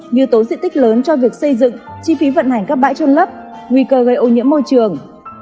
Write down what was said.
như tố diện tích lớn cho việc xây dựng chi phí vận hành các bãi trôn lấp nguy cơ gây ô nhiễm môi trường